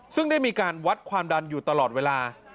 ซึ่งได้มีการวัดความดันอยู่ตลอดเวลา